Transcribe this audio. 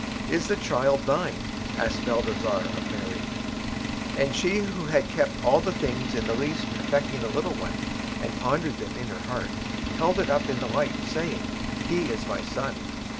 "Is the child thine?" asked Balthasar of Mary. And she who had kept all the things in the least affecting the little one, and pondered them in her heart, held it up in the light, saying, "He is my son!"